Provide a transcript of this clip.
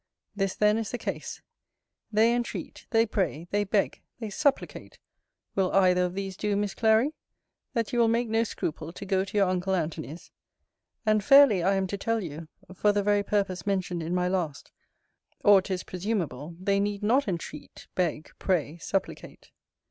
This then is the case: They entreat, they pray, they beg, they supplicate (will either of these do, Miss Clary?) that you will make no scruple to go to your uncle Antony's: and fairly I am to tell you, for the very purpose mentioned in my last or, 'tis presumable, they need not entreat, beg, pray, supplicate.